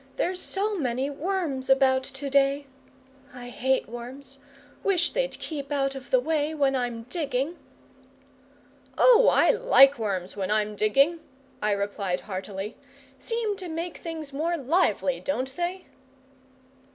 There's so many worms about to day. I hate worms. Wish they'd keep out of the way when I'm digging." "Oh, I like worms when I'm digging," I replied heartily, "seem to make things more lively, don't they?"